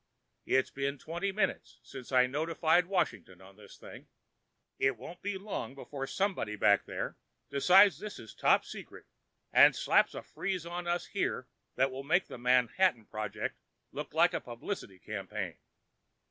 It's been twenty minutes since I notified Washington on this thing. It won't be long before somebody back there decides this is top secret and slaps a freeze on us here that will make the Manhattan Project look like a publicity campaign.